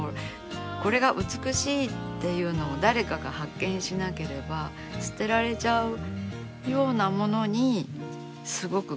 これが美しいっていうのを誰かが発見しなければ捨てられちゃうようなものにすごく気持ちがそそられるっていうか。